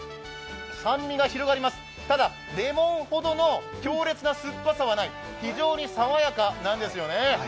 酸味が広がります、ただレモンほどの強烈な酸っぱさはない、非常に爽やかなんですよね。